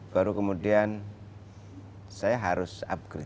baru kemudian saya harus upgrade